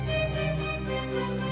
ko saling jauh